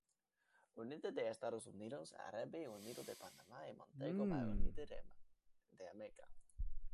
United de Estados Unidos, Árabe Unido de Panamá y Montego Bay United de Jamaica.